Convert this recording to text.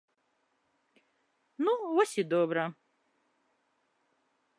Ну, вось і добра.